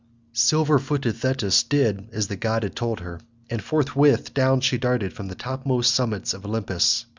Silver footed Thetis did as the god had told her, and forthwith down she darted from the topmost summits of Olympus.